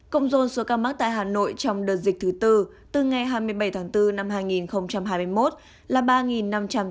công dôn số ca mắc tại hà nội trong đợt dịch thứ tư từ ngày hai mươi bảy tháng bốn năm hai nghìn hai mươi một là ba năm trăm tám mươi ca